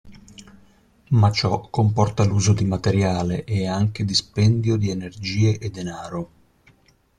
Ma ciò comporta l'uso di materiale e anche dispendio di energie e denaro.